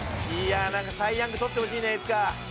サイ・ヤングとってほしいねいつか。